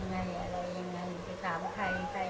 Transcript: อำเภออะไรจังหวัดอะไรฉันก็จำไม่ได้